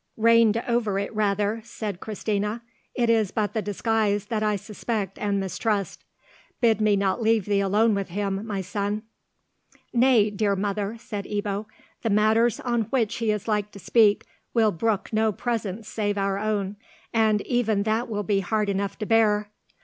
"Reigned over it, rather," said Christina. "It is but the disguise that I suspect and mistrust. Bid me not leave thee alone with him, my son." "Nay, dear mother," said Ebbo, "the matters on which he is like to speak will brook no presence save our own, and even that will be hard enough to bear.